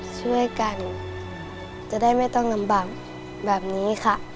ช่วยกันจะได้ไม่ต้องลำบากแบบนี้ค่ะ